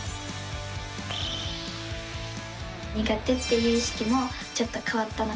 苦手っていう意識もちょっと変わったのかなと。